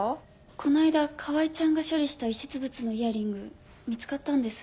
この間川合ちゃんが処理した遺失物のイヤリング見つかったんです。